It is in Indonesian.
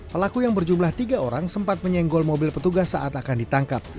pelaku yang berjumlah tiga orang sempat menyenggol mobil petugas saat akan ditangkap